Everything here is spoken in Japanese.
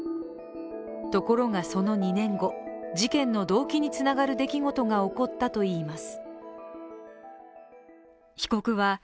ところがその２年後、事件の動機につながる出来事が起こったといいます。